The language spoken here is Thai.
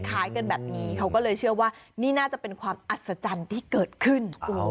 คล้ายกันแบบนี้เขาก็เลยเชื่อว่านี่น่าจะเป็นความอัศจรรย์ที่เกิดขึ้น